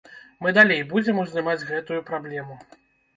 Мы далей будзем уздымаць гэтую праблему.